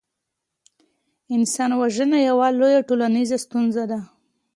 انسان وژنه یوه لویه ټولنیزه ستونزه ده.